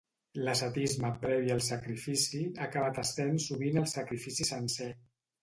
L'ascetisme previ al sacrifici ha acabat essent sovint el sacrifici sencer.